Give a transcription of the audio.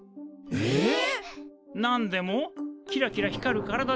えっ！？